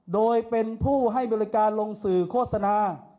โดยเป็นผู้ให้บริการลงสื่อโฆษณา